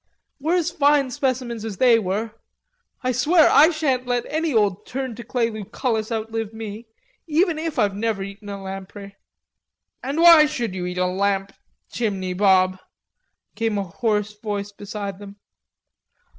We're as fine specimens as they were. I swear I shan't let any old turned toclay Lucullus outlive me, even if I've never eaten a lamprey." "And why should you eat a lamp chimney, Bob?" came a hoarse voice beside them.